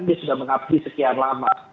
dia sudah mengabdi sekian lama